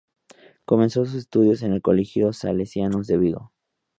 Comenzó sus estudios en el colegio Salesianos de Vigo.